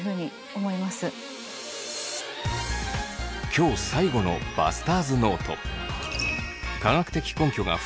今日最後のバスターズノート。